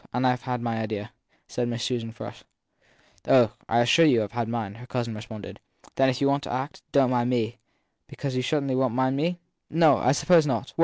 And I ve my idea/ said Susan Frush. Oh, I assure you I ve mine ! her cousin responded. Then if you want to act, don t mind me/ 1 Because you certainly won t me ? No, I suppose not.